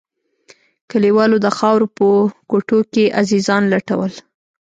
كليوالو د خاورو په کوټو کښې عزيزان لټول.